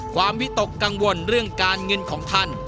วิตกกังวลเรื่องการเงินของท่าน